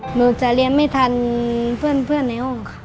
หนูจะเรียนไม่ทันเพื่อนในห้องค่ะ